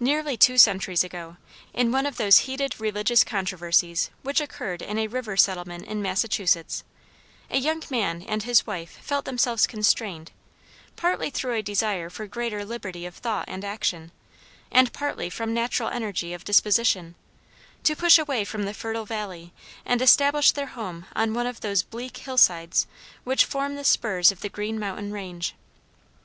Nearly two centuries ago, in one of those heated religious controversies which occurred in a river settlement in Massachusetts, a young man and his wife felt themselves constrained, partly through a desire for greater liberty of thought and action, and partly from natural energy of disposition, to push away from the fertile valley and establish their home on one of those bleak hillsides which form the spurs of the Green Mountain range.